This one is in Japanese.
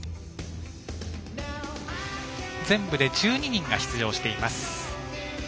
全部で１２人が出場しています。